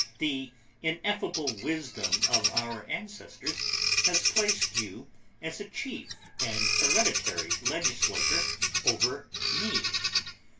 The ineffable wisdom of our ancestors has placed you as a chief and hereditary legislator over me.